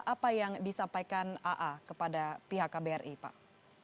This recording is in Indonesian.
apa yang disampaikan aa kepada pihak kbri pak